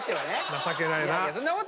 情けないな。